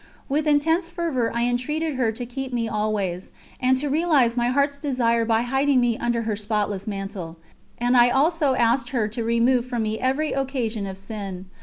With intense fervour I entreated her to keep me always, and to realise my heart's desire by hiding me under her spotless mantle, and I also asked her to remove from me every occasion of sin.